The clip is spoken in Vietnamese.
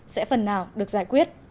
sẽ phần nào được giải quyết